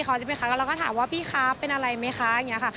แล้วเราก็ถามว่าพี่เป็นอะไรไหม